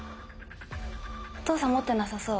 お父さん持ってなさそう。